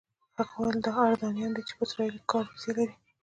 هغه وویل دا اردنیان دي چې په اسرائیلو کې کاري ویزې لري.